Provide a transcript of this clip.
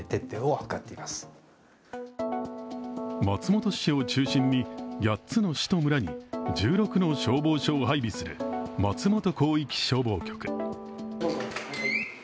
松本市を中心に８つの市と村に１６の消防署を配備する松本広域消防局。